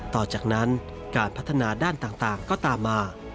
ต่อจากนั้นการพัฒนาด้านต่างก็ตามมา